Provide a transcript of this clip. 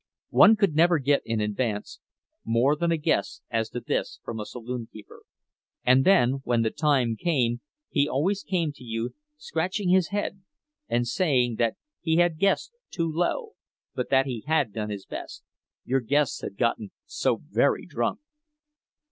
One could never get in advance more than a guess as to this from a saloon keeper—and then, when the time came he always came to you scratching his head and saying that he had guessed too low, but that he had done his best—your guests had gotten so very drunk.